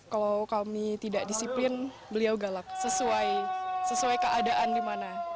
kalau kami tidak disiplin beliau galak sesuai keadaan di mana